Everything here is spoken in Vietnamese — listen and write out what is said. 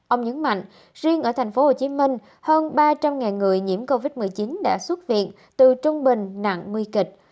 ông nhấn mạnh riêng ở tp hcm hơn ba trăm linh người nhiễm covid một mươi chín đã xuất viện từ trung bình nặng nguy kịch